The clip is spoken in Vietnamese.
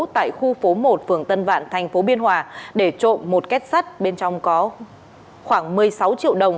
tại khu phố một phường tân vạn thành phố biên hòa để trộm một kết sắt bên trong có khoảng một mươi sáu triệu đồng